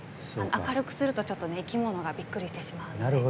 明るくすると生き物がびっくりしてしまうので。